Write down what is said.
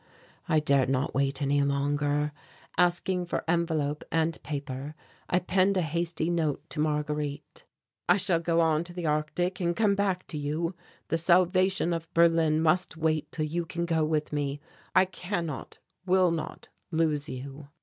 I dared not wait any longer asking for envelope and paper, I penned a hasty note to Marguerite: "I shall go on to the Arctic and come back to you. The salvation of Berlin must wait till you can go with me. I cannot, will not, lose you."